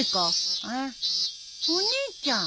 お姉ちゃん。